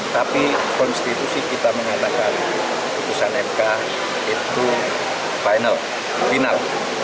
tapi konstitusi kita mengatakan putusan mk itu final